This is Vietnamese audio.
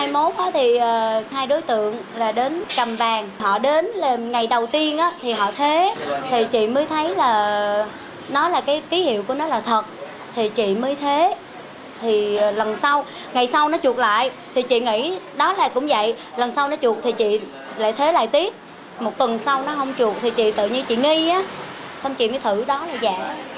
một tuần sau nó không chuột thì chị tự nhiên chị nghi xong chị mới thử đó là giả